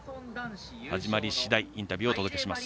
始まり次第インタビューをお届けします。